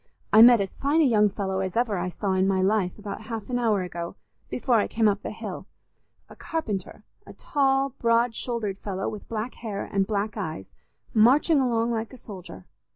I met as fine a young fellow as ever I saw in my life, about half an hour ago, before I came up the hill—a carpenter, a tall, broad shouldered fellow with black hair and black eyes, marching along like a soldier.